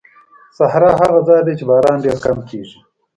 صحرا هغه ځای دی چې باران ډېر کم کېږي.